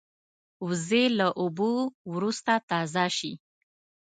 وزې له اوبو وروسته تازه شي